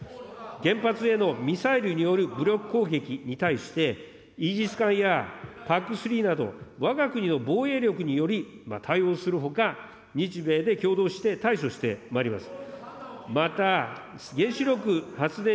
原発へのミサイルによる武力攻撃に対して、イージス艦やＰＡＣ３など、わが国の防衛力により対応するほか、日米できょうどうして対処してまいります。